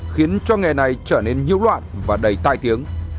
khiến cho nghề này trở nên nhiễu loạn và đầy tai tiếng